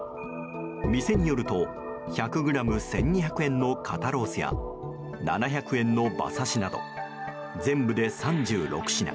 店によると１００ｇ１２００円の肩ロースや７００円の馬刺しなど全部で３６品。